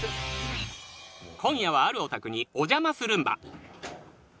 今夜はあるお宅にお邪魔するンバ